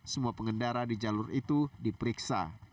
semua pengendara di jalur itu diperiksa